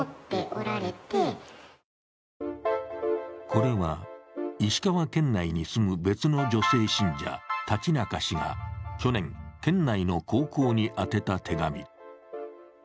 これは石川県内に住む別の女性信者、立中氏が去年、県内の高校に宛てた手紙。